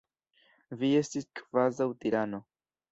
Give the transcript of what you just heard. Vi estas kvazaŭ tirano.